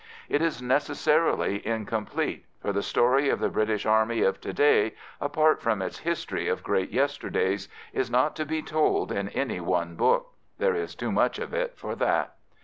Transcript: It is necessarily incomplete, for the story of the British Army of to day, apart from its history of great yesterdays, is not to be told in any one book there is too much of it for that.